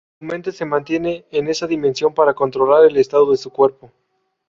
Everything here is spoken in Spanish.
Su mente se mantiene en esa dimensión para controlar el estado de su cuerpo.